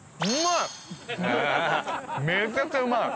めちゃくちゃうまい！